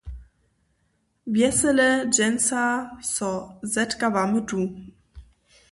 Wjesele dźensa so zetkawamy tu.